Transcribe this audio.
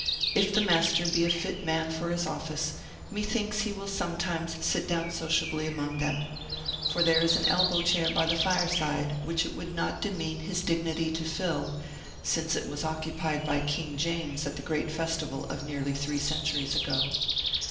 If the Master be a fit man for his office, methinks he will sometimes sit down sociably among them; for there is an elbow chair by the fireside which it would not demean his dignity to fill, since it was occupied by King James at the great festival of nearly three centuries ago.